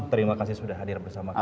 terima kasih sudah hadir bersama kami